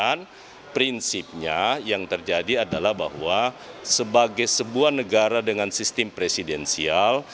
dan prinsipnya yang terjadi adalah bahwa sebagai sebuah negara dengan sistem presidensial